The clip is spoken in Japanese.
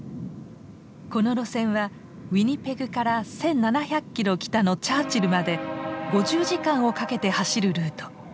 この路線はウィニペグから１，７００キロ北のチャーチルまで５０時間をかけて走るルート。